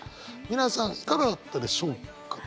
皆さんいかがだったでしょうか？